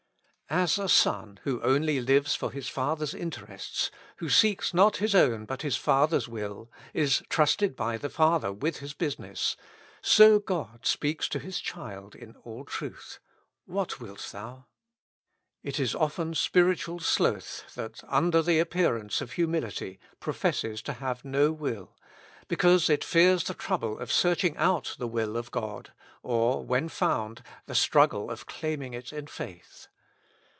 As a son, who only lives for his father's interests, who seeks not his own but his father's will, is trusted by the father with his business, so God speaks to His child in all truth, "What wilt thou?" It is often spiritual sloth that, under the appearance of humility, professes to have no will, because it fears the trouble of searching out the will of God, or, when found, the struggle of claiming it in faith.